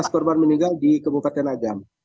delapan belas korban meninggal di kebukatan ajam